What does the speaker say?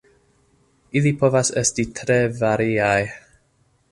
Ili povas estis tre variaj.